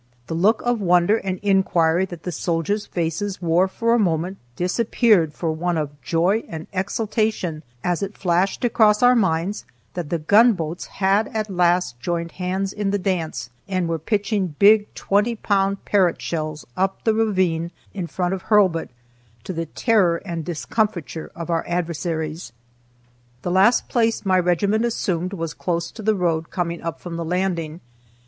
The look of wonder and inquiry that the soldiers' faces wore for a moment disappeared for one of joy and exultation as it flashed across our minds that the gunboats had at last joined hands in the dance, and were pitching big twenty pound Parrott shells up the ravine in front of Hurlbut, to the terror and discomfiture of our adversaries. The last place my regiment assumed was close to the road coming up from the landing.